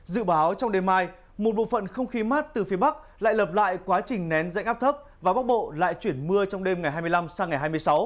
dự báo trong đêm mai một bộ phận không khí mát từ phía bắc lại lập lại quá trình nén dạnh áp thấp và bắc bộ lại chuyển mưa trong đêm ngày hai mươi năm sang ngày hai mươi sáu